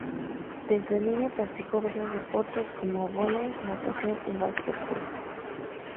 Desde niña practicó varios deportes como voley, natación y básquetbol.